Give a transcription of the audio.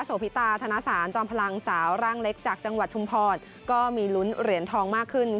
พิตาธนสารจอมพลังสาวร่างเล็กจากจังหวัดชุมพรก็มีลุ้นเหรียญทองมากขึ้น